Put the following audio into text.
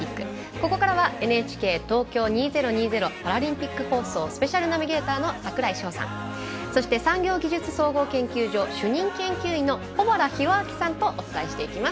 ここからはＮＨＫ東京２０２０パラリンピック放送スペシャルナビゲーターの櫻井翔さんそして産業技術総合研究所主任研究員の保原浩明さんとお伝えしていきます。